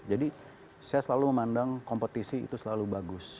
jadi saya selalu memandang kompetisi itu selalu bagus